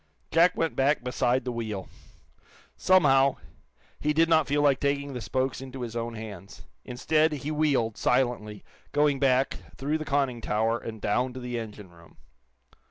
Jack went back beside the wheel. Somehow, he did not feel like taking the spokes into his own hands. Instead, he wheeled, silently, going back, through the conning tower, and down to the engine room.